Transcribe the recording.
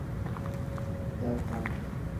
我嗱嗱聲行快幾步